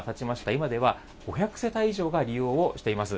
今では５００世帯以上が利用をしています。